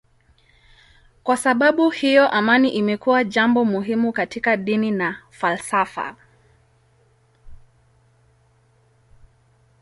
Kwa sababu hiyo amani imekuwa jambo muhimu katika dini na falsafa.